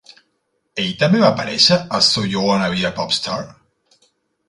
Ell també va aparèixer a "So You Wanna be a Popstar?"